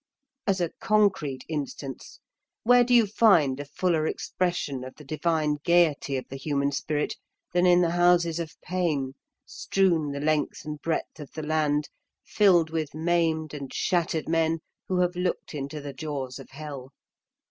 As a concrete instance, where do you find a fuller expression of the divine gaiety of the human spirit than in the Houses of Pain, strewn the length and breadth of the land, filled with maimed and shattered men who have looked into the jaws of Hell?